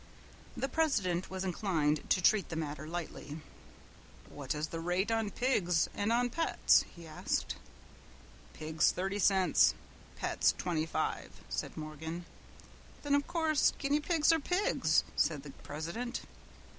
The president was inclined to treat the matter lightly. "What is the rate on pigs and on pets?" he asked. "Pigs thirty cents, pets twenty five," said Morgan. "Then of course guinea pigs are pigs," said the president.